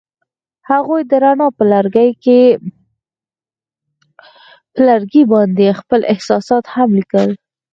هغوی د رڼا پر لرګي باندې خپل احساسات هم لیکل.